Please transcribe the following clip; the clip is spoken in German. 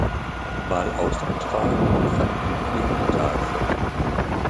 Mal ausgetragen und fanden in Klingenthal statt.